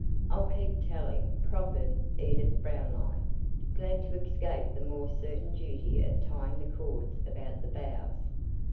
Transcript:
"I'll keep tally," proffered Edith Brownlie, glad to escape the more certain duty of tying the cords about the boughs.